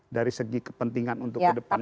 dari segi kepentingan untuk kedepannya